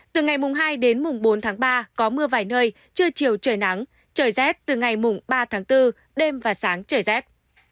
từ ngày mùng hai đến mùng bốn tháng ba có mưa vài nơi trưa chiều trời nắng trời rét từ ngày mùng ba tháng bốn đêm và sáng trời rét